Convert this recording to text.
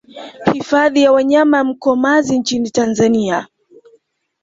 Hifadhi ya wanyama ya Mkomazi nchini Tanzania